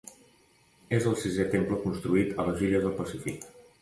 És el sisè temple construït a les Illes del Pacífic.